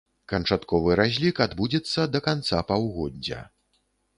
Канчатковы разлік адбудзецца да канца паўгоддзя.